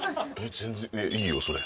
全然いいよそれ。